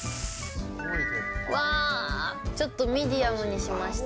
わー、ちょっとミディアムにしました。